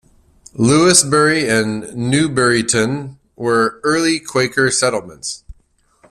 Lewisberry and Newberrytown were early Quaker settlements.